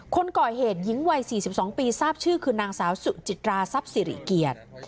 คนก่อเหตุยิงวัยสี่สิบสองปีทราบชื่อคือนางสาวสุจิตราทรัพย์สิริเกียจ